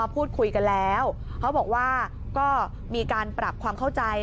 พอบอกว่าก็มีการปรับความเข้าใจ